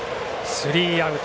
スリーアウト。